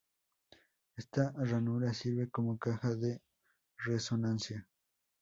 Esta ranura sirve como caja de resonancia.